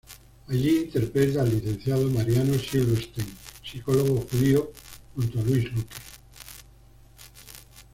Allí interpreta al licenciado Mariano Silverstein, psicólogo judío, junto a Luis Luque.